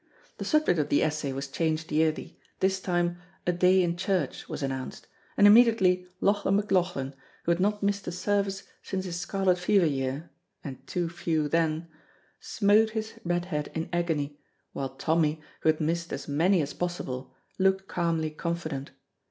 The subject of the essay was changed yearly, this time "A Day in Church" was announced, and immediately Lauchlan McLauchlan, who had not missed a service since his scarlet fever year (and too few then), smote his red head in agony, while Tommy, who had missed as many as possible, looked calmly confident.